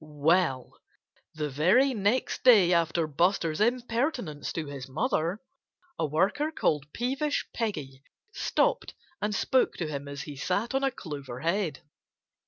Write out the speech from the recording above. Well, the very next day after Buster's impertinence to his mother a worker called Peevish Peggy stopped and spoke to him as he sat on a clover head.